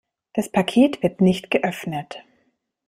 Das Paket wird nicht geöffnet.